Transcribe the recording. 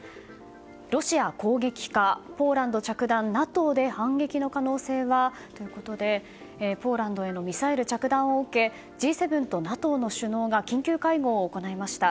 ロシア攻撃か、ポーランド着弾ＮＡＴＯで反撃の可能性はということでポーランドへのミサイル着弾を受けＧ７とＮＡＴＯの首脳が緊急会合を行いました。